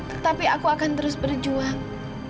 tetapi aku akan terus berjuang